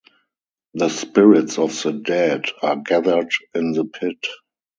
The spirits of the dead are gathered in the pit.